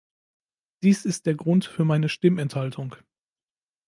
Dies ist der Grund für meine Stimmenthaltung.